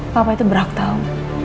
papa itu berhak tau